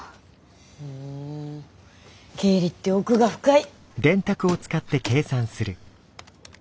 ふん経理って奥が深い。